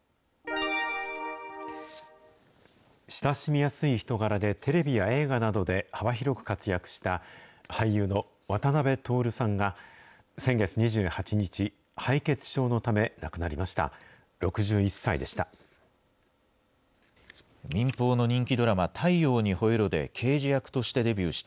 親しみやすい人柄でテレビや映画などで幅広く活躍した俳優の渡辺徹さんが、先月２８日、敗血症のため、亡くなりました。